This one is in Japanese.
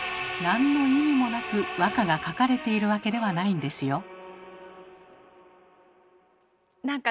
何の意味もなく和歌が書かれているわけではないんですよ。